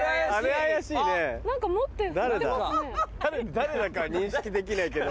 誰だか認識できないけど。